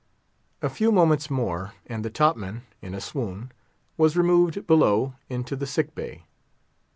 A few moments more, and the top man, in a swoon, was removed below into the sick bay.